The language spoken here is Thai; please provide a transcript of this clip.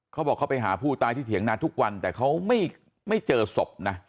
เขาบอกเขาไปหาผู้ตายที่เถียงนาทุกวันแต่เขาไม่เจอศพนะ